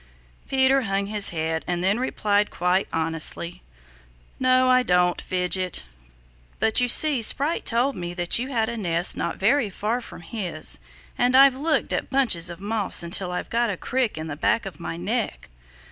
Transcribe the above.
Peter hung his head and then replied quite honestly, "No I don't, Fidget. But you see Sprite told me that you had a nest not very far from his and I've looked at bunches of moss until I've got a crick in the back of my neck."